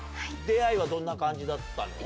出会いはどんな感じだったの？